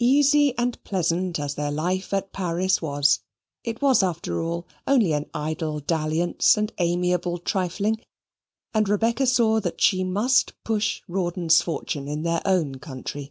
Easy and pleasant as their life at Paris was, it was after all only an idle dalliance and amiable trifling; and Rebecca saw that she must push Rawdon's fortune in their own country.